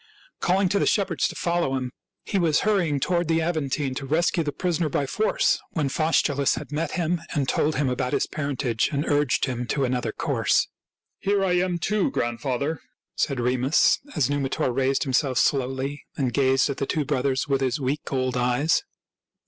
Calling to the shepherds to follow him, he was hurrying to ward the Aventine to rescue the prisoner by force, when Faustulus had met him and told him about his parentage and urged him to another course. " Here I am, too, grandfather," said Remus, as Numitor raised himself slowly and gazed at the two brothers with his weak old eyes.